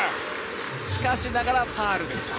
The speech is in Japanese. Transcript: しかしながらファウルですか。